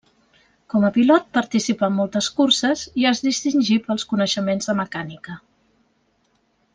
Com a pilot, participà en moltes curses i es distingí pels coneixements de mecànica.